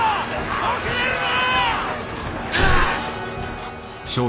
後れるな！